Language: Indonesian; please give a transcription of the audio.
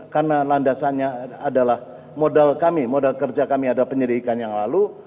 karena landasannya adalah modal kami modal kerja kami adalah penyelidikan yang lalu